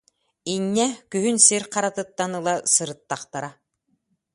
Инньэ, күһүн сир харатыттан ыла сырыттахтара